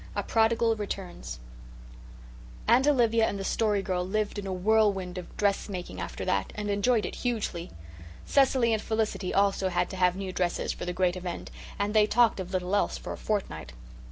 A PRODIGAL RETURNS Aunt Olivia and the Story Girl lived in a whirlwind of dressmaking after that, and enjoyed it hugely. Cecily and Felicity also had to have new dresses for the great event, and they talked of little else for a fortnight.